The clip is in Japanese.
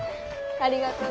ありがとう。